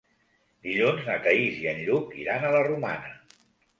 Dilluns na Thaís i en Lluc iran a la Romana.